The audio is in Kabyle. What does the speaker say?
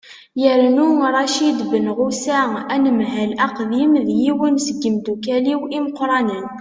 yernu racid benɣusa anemhal aqdim d yiwen seg yimeddukkal-iw imeqqranen